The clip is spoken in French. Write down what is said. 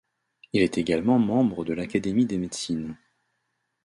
Il est également membre de l'Académie de médecine.